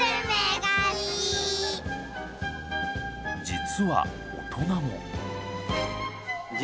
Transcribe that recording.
実は大人も。